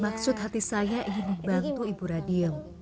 maksud hati saya ingin membantu ibu radiem